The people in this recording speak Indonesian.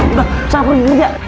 udah sabarin aja